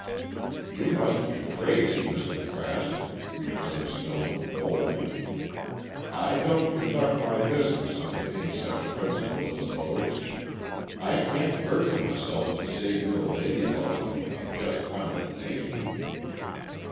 "You must be crazy, Mr. Trask," returned Stone, coldly. "I don't conduct my business on any such principles as those. I can't perjure myself to save your lady love from a just condemnation."